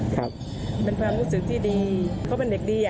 ครับเป็นความรู้สึกที่ดีเขาเป็นเด็กดี